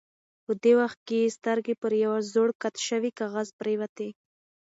په دې وخت کې یې سترګې پر یوه زوړ قات شوي کاغذ پرېوتې.